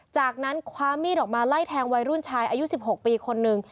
จากนั้นคว้ามีดออกมาไล่แทงวัยรุ่นชายอายุ๑๖ปีคนนึง